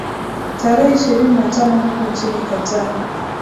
tarehe ishirini na tano huku chini qatar